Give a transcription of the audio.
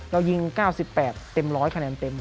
เรายิง๙๘เต็ม๑๐๐คะแนนเต็ม